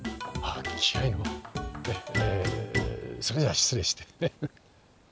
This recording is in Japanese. えそれでは失礼して。